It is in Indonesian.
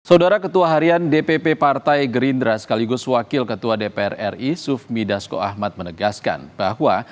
saudara ketua harian dpp partai gerindra sekaligus wakil ketua dpr ri sufmi dasko ahmad menegaskan bahwa